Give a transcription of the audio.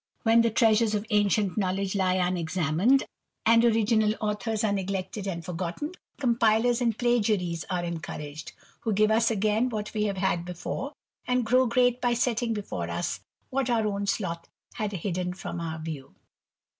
When the treasures of ancient knowledge lie unexamined, and original authors are neglected and forgotten, compilers and plagiaries are en couraged, who give us again what we had before, and grow great by setting before us what our own sloth had hidden from our view.